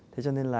thế cho nên là